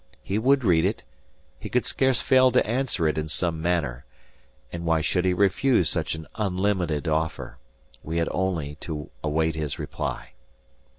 He would read it. He could scarce fail to answer it in some manner. And why should he refuse such an unlimited offer? We had only to await his reply.